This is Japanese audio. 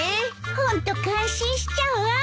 ホント感心しちゃうわ。